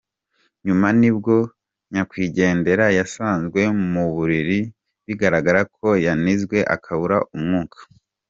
Nyuma nibwo nyakwigendera yasanzwe mu buriri bigaragara ko yanizwe akabura umwuka.